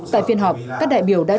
tại phiên họp các đại biểu đã trả lời